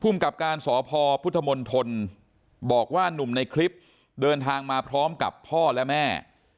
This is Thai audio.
กับการสพพุทธมนตรบอกว่านุ่มในคลิปเดินทางมาพร้อมกับพ่อและแม่